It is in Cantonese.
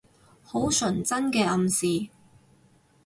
好純真嘅暗示